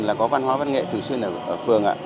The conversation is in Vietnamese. là có văn hóa văn nghệ thường xuyên ở phường